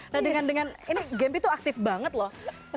nah dengan ini gempy tuh aktif banget loh